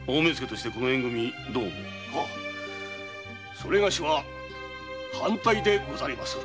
それがしは反対でござりまする。